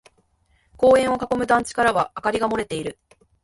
公園を囲む団地からは明かりが漏れている。